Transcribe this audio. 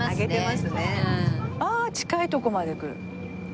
ああ近いとこまで来る。